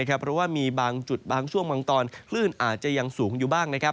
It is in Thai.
เพราะว่ามีบางจุดบางช่วงบางตอนคลื่นอาจจะยังสูงอยู่บ้างนะครับ